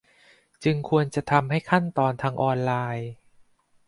จึงควรจะทำให้ขั้นตอนทางออนไลน์